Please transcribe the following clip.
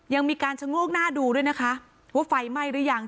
ยังมีการชะโงกหน้าดูด้วยนะคะว่าไฟไหม้หรือยัง